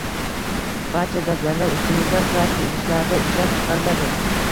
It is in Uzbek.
- Barcha gazlangan ichimliklar plastik idishlarda ishlab chiqariladi!